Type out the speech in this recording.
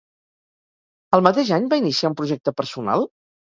El mateix any va iniciar un projecte personal?